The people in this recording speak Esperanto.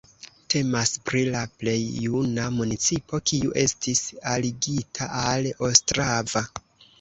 Temas pri la plej juna municipo, kiu estis aligita al Ostrava.